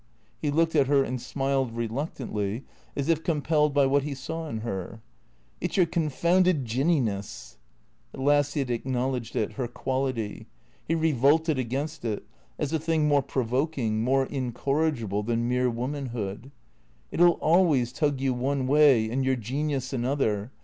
" He looked at her and smiled, reluctantly, as if compelled by what he saw in her. " It 's your confounded Jinniness !" At last he had acknowledged it, her quality. He revolted against it, as a thing more provoking, more incorrigible than mere womanliood. " It '11 always tug you one way and your genius another.